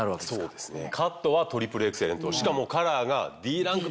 そうですね。